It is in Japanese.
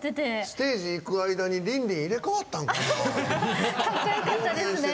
ステージ行く間にリンリン、入れ代わったんかな？